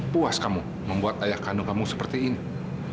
puas kamu membuat ayah kandung kamu seperti ini